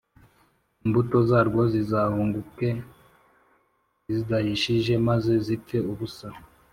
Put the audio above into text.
imbuto zarwo zizahunguke zidahishije, maze zipfe ubusa,